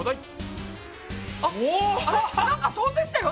なんか飛んでったよ